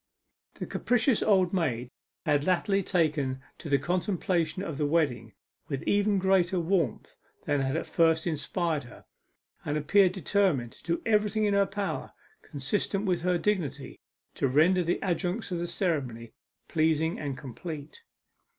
The capricious old maid had latterly taken to the contemplation of the wedding with even greater warmth than had at first inspired her, and appeared determined to do everything in her power, consistent with her dignity, to render the adjuncts of the ceremony pleasing and complete.